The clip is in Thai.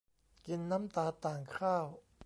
กินน้ำตาต่างข้าว